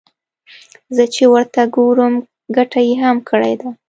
زه چې ورته ګورم ګټه يې هم کړې ده.